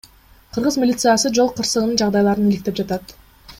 Кыргыз милициясы жол кырсыгынын жагдайларын иликтеп жатат.